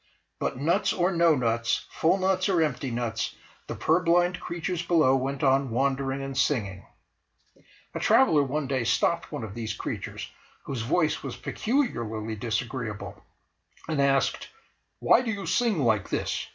But nuts or no nuts, full nuts or empty nuts, the purblind creatures below went on wandering and singing. A traveller one day stopped one of these creatures whose voice was peculiarly disagreeable, and asked "Why do you sing like this?